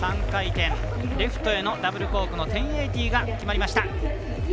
３回転、レフトへのダブルコークの１０８０が決まりました。